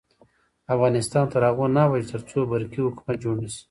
افغانستان تر هغو نه ابادیږي، ترڅو برقی حکومت جوړ نشي.